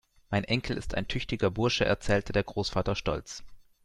Mein Enkel ist ein tüchtiger Bursche, erzählte der Großvater stolz.